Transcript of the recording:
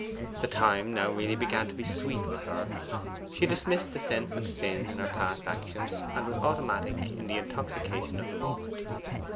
The time now really began to be sweet with her. She dismissed the sense of sin in her past actions, and was automatic in the intoxication of the moment.